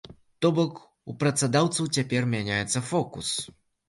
То бок, у працадаўцаў цяпер мяняецца фокус.